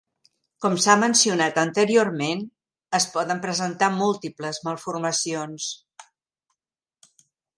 Com s'ha mencionat anteriorment, es poden presentar múltiples malformacions.